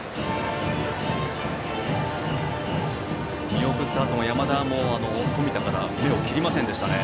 見送ったあとも山田も冨田から目を切りませんでしたね。